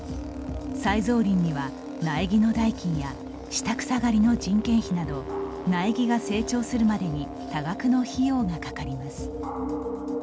再造林には、苗木の代金や下草刈りの人件費など苗木が成長するまでに多額の費用がかかります。